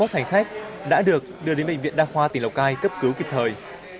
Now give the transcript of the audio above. hai mươi hành khách đã được đưa đến bệnh viện đa khoa tỉnh lào cai cấp cứu kịp thời